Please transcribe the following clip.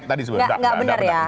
jadi nggak benar ya